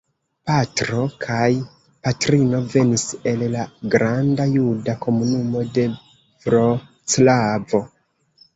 Patro kaj patrino venis el la granda juda komunumo de Vroclavo.